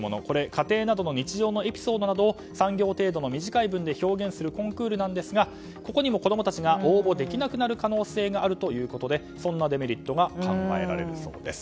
家庭などの日常のエピソードなどを３行程度の短い文にするコンクールなんですがここにも子供たちが応募できなくなる可能性があるということでそんなデメリットが考えられるということです。